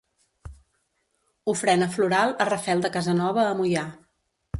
Ofrena floral a Rafel de Casanova a Moià.